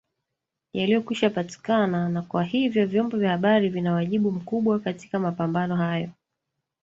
yaliyokwisha patikana na kwa hivyo vyombo vya habari vina wajibu mkubwa katika mapambano hayo